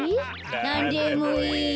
なんでもいい。